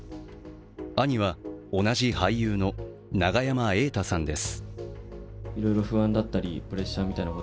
兄は同じ俳優の永山瑛太さんです。